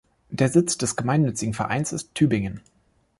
Der Sitz des gemeinnützigen Vereins ist Tübingen.